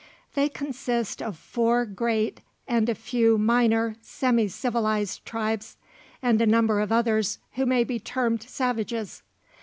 They consist of four great, and a few minor semi civilized tribes, and a number of others who may be termed savages.